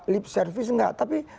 lip service tidak tapi